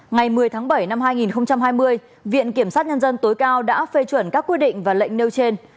ngày một mươi tháng bảy năm hai nghìn hai mươi viện kiểm sát nhân dân tối cao đã phê chuẩn các quy định và lệnh nêu trên